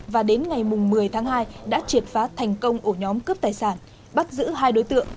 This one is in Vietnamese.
và đến ngày một mươi tháng hai đã triệt phá thành công ổ nhóm cướp tài sản bắt giữ hai đối tượng